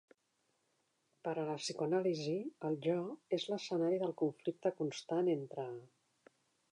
Per a la psicoanàlisi, el jo és l'escenari del conflicte constant entre: